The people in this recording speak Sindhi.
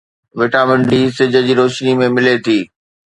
وٽامن ڊي سج جي روشنيءَ ۾ ملي ٿي